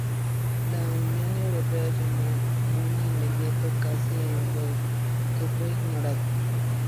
La Unión Europea llamó a un inmediato cese al fuego, que fue ignorado.